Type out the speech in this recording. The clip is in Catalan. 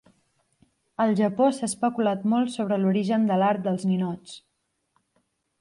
Al Japó s'ha especulat molt sobre l'origen de l'art dels ninots.